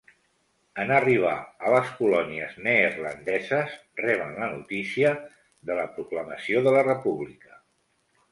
En arribar a les colònies neerlandeses reben la notícia de la proclamació de la república.